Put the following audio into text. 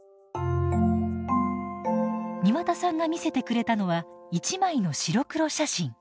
庭田さんが見せてくれたのは１枚の白黒写真。